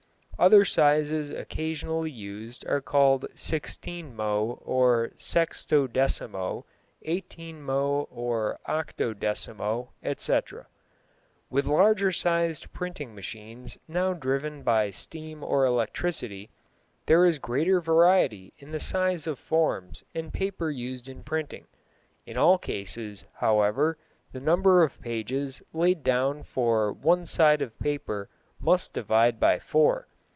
Other sizes occasionally used are called "sixteenmo" or "sextodecimo," "eighteenmo" or "octodecimo," etc. With larger sized printing machines now driven by steam or electricity, there is greater variety in the size of formes and papers used in printing. In all cases, however, the number of pages laid down for one side of paper must divide by four.